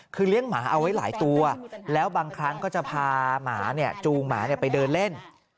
คือเลี้ยงหมาเอาไว้หลายตัวแล้วบางครั้งก็จะพาหมาจูงหมาไปเดินเล่น